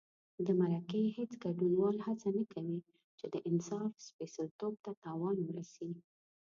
د مرکې هېڅ ګډونوال هڅه نه کوي چې د انصاف سپېڅلتوب ته تاوان ورسي.